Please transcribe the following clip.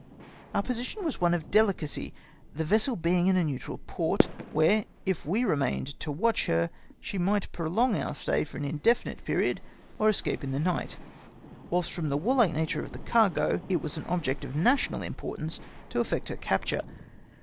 Our position was one of delicacy, the vessel being in a neutral port, where, if we remained to watch her, she might prolong our stay for an indefinite period or escape in the night ; whilst, fi^om tlie warhke nature of the cargo, it was an object of national importance to effect her captm^e.